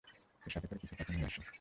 সে সাথে করে কিছু পাথর নিয়ে আসে।